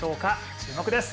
注目です。